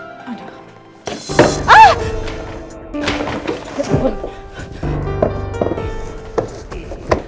tidak ada yang bisa dipercayai